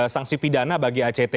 sanksi pidana bagi act